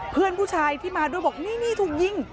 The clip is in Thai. เพื่อนผู้ชายที่มาด้วยบอกนี่ถูกยิง